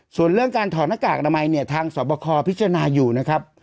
ส่วนเรื่องการถอดหน้ากากอนามัยเนี่ยทางสอบคอพิจารณาอยู่นะครับ